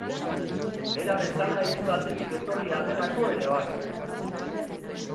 Bera bezala hiri batetik etorria delako ere bai.